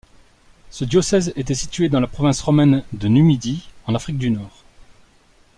Ce diocèse était situé dans la province romaine de Numidie, en Afrique du Nord.